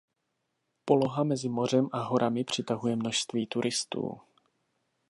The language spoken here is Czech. Poloha mezi mořem a horami přitahuje množství turistů.